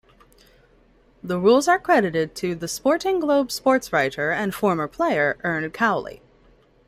The rules are credited to "The Sporting Globe" sportswriter and former player Ern Cowley.